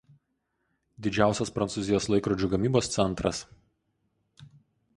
Didžiausias Prancūzijos laikrodžių gamybos centras.